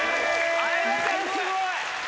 相葉ちゃんすごい！